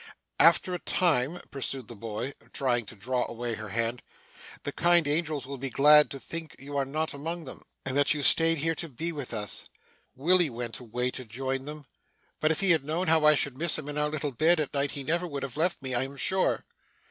'After a time,' pursued the boy, trying to draw away her hand, 'the kind angels will be glad to think that you are not among them, and that you stayed here to be with us. Willy went away, to join them; but if he had known how I should miss him in our little bed at night, he never would have left me, I am sure.